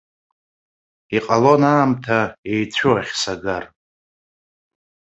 Иҟалон аамҭа еицәоу ахь сагар.